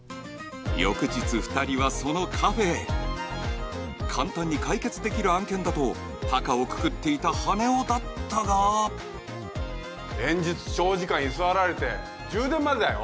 翌日２人はそのカフェへ簡単に解決できる案件だと高をくくっていた羽男だったが連日長時間居座られて充電までだよ